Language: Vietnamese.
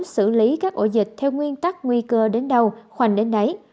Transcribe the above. xử lý các ổ dịch theo nguyên tắc nguy cơ đến đâu khoanh đến đấy